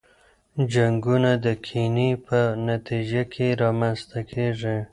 جنګونه د کینې په نتیجه کي رامنځته کیږي.